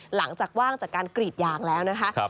หลังจากว่างจากการกรีดยางแล้วนะคะ